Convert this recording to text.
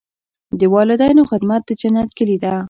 د والدینو خدمت د جنت کلي ده.